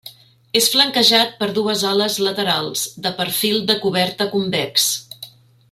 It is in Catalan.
És flanquejat per dues ales laterals, de perfil de coberta convex.